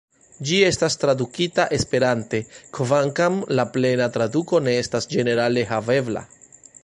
Ĝi estas tradukita Esperante, kvankam la plena traduko ne estas ĝenerale havebla.